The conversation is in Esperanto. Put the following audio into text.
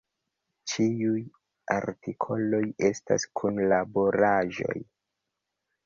Ĉiuj artikoloj estas kunlaboraĵoj.